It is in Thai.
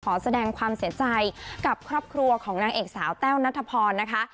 ขอแสดงความเสียใจกับครอบครัวของนางเอกสาวแต้วนัทพรนะคะ